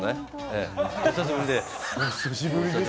お久しぶりです。